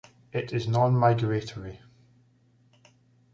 It is non-migratory.